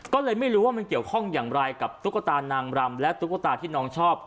ก็เลยไม่รู้ว่ามันเกี่ยวข้องอย่างไรกับตุ๊กตานางรำและตุ๊กตาที่น้องชอบ